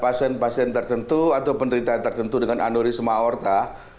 pasien pasien tertentu atau penderitaan tertentu dengan aneurisma aorta